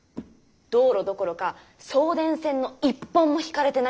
道路どころか送電線の一本も引かれてないんです。